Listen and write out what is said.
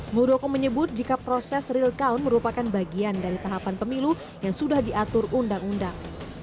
murdoko menyebut jika proses real count merupakan bagian dari tahapan pemilu yang sudah diatur undang undang